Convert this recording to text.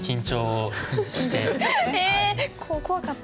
え怖かった？